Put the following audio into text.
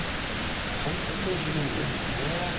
本当に渋いんだよね。